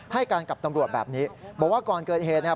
ให้การกับตำรวจแบบนี้บอกว่าก่อนเกิดเหตุเนี่ย